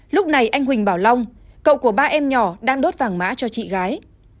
lúc này anh huỳnh bảo long cậu của ba em nhỏ đang đốt vàng mã cho chị gái